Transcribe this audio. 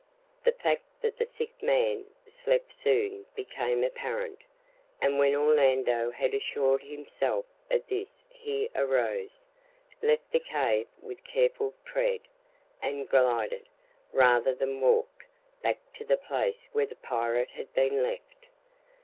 The fact that the sick man slept soon became apparent, and when Orlando had assured himself of this he arose, left the cave with careful tread, and glided, rather than walked, back to the place where the pirate had been left.